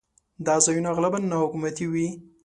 دا ځایونه اغلباً ناحکومتي وي.